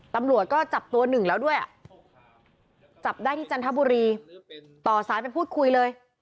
ตำรวจก็จับตัวหนึ่งแล้วด้วยอ่ะจับได้ที่จันทบุรีต่อสายไปพูดคุยเลย